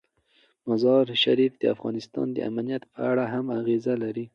مزارشریف د افغانستان د امنیت په اړه هم اغېز لري.